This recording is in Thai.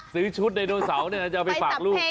ซื้อชุดไดโนเสาร์จะเอาไปฝากลูก